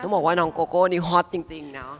บอกว่าน้องโกโก้นี่ฮอตจริงนะ